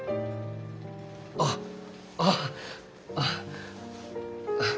あっああ。